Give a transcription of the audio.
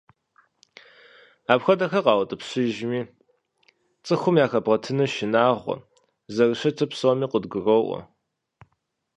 Апхуэдэхэр къаутӏыпщыжми, цӀыхум яхэбгъэтыныр шынагъуэу зэрыщытыр псоми къыдгуроӏуэр.